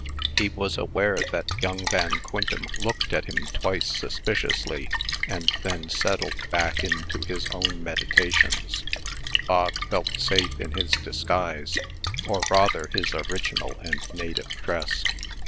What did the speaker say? He was aware that young Van Quintem looked at him twice suspiciously, and then settled back into his own meditations. Bog felt safe in his disguise or rather his original and native dress.